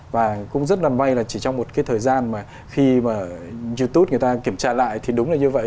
và cũng rất là may là chỉ trong một cái thời gian mà khi mà youtube người ta kiểm tra lại thì đúng là như vậy